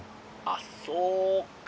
「あっそうか！